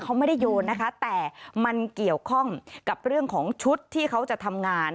เขาไม่ได้โยนนะคะแต่มันเกี่ยวข้องกับเรื่องของชุดที่เขาจะทำงาน